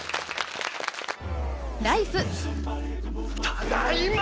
ただいま！